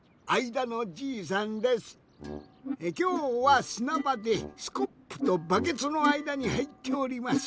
きょうはすなばでスコップとバケツのあいだにはいっております。